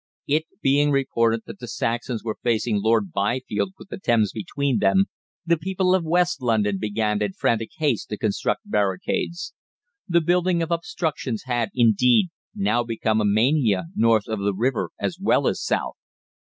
It being reported that the Saxons were facing Lord Byfield with the Thames between them, the people of West London began in frantic haste to construct barricades. The building of obstructions had, indeed, now become a mania north of the river as well as south.